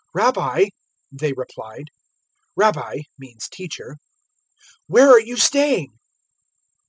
"Rabbi," they replied `Rabbi' means `Teacher' "where are you staying?"